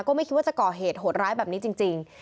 ไม่คิดว่าจะก่อเหตุโหดร้ายแบบนี้จริง